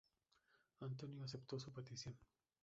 Antonio aceptó su petición.